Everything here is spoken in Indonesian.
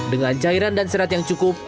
dengan cairan dan serat yang cukup